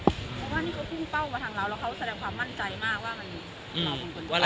เพราะว่านี่เขาพุ่งเป้ามาทางเราแล้วเขาแสดงความมั่นใจมากว่ามันเราเป็นคนว่าเรา